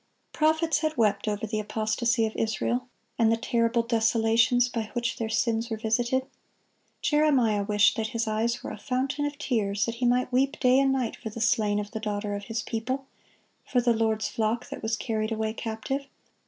Prophets had wept over the apostasy of Israel, and the terrible desolations by which their sins were visited. Jeremiah wished that his eyes were a fountain of tears, that he might weep day and night for the slain of the daughter of his people, for the Lord's flock that was carried away captive.